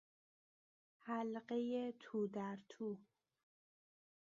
حلقهی تودرتو